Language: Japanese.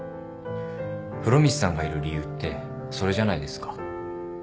風呂光さんがいる理由ってそれじゃないですか？